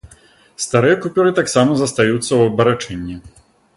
Старыя купюры таксама застаюцца ў абарачэнні.